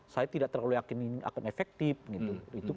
saya tidak terlalu yakin ini akan efektif gitu